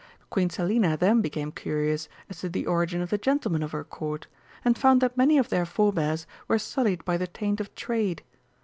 Queen Selina then became curious as to the origin of the gentlemen of her Court, and found that many of their forbears were sullied by the taint of Trade.